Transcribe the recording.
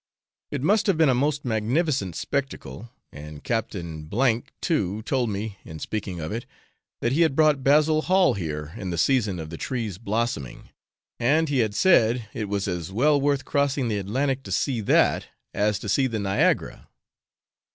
It must have been a most magnificent spectacle, and Captain F , too, told me, in speaking of it, that he had brought Basil Hall here in the season of the trees blossoming, and he had said it was as well worth crossing the Atlantic to see that, as to see the Niagara.